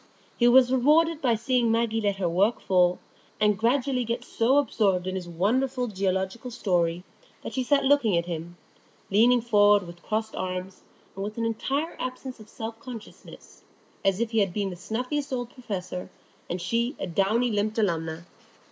He was rewarded by seeing Maggie let her work fall, and gradually get so absorbed in his wonderful geological story that she sat looking at him, leaning forward with crossed arms, and with an entire absence of self consciousness, as if he had been the snuffiest of old professors, and she a downy lipped alumna.